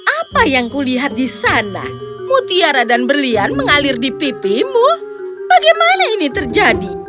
apa yang kulihat di sana mutiara dan berlian mengalir di pipimu bagaimana ini terjadi